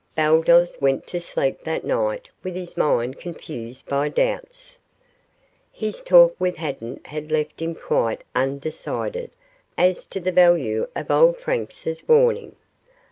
Baldos went to sleep that night with his mind confused by doubts. His talk with Haddan had left him quite undecided as to the value of old Franz's warning.